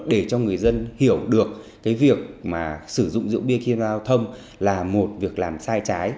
để cho người dân hiểu được cái việc mà sử dụng rượu bia khi giao thông là một việc làm sai trái